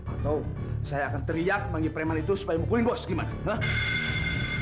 atau saya akan teriak manggi preman itu supaya mukulin bos gimana